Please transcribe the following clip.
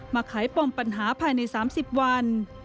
ไขปมปัญหาภายใน๓๐วัน